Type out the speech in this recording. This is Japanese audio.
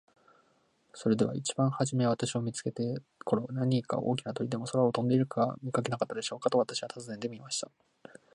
「それでは一番はじめ私を見つけた頃、何か大きな鳥でも空を飛んでいるのを見かけなかったでしょうか。」と私は尋ねてみました。